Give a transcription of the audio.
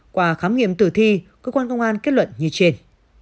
qua khám nghiệm tử thi cơ quan công an kết luận như trên